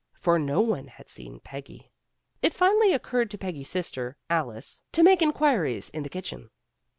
For no one had seen Peggy. It finally occurred to Peggy's sister, Alice, to make inquiries in the kitchen.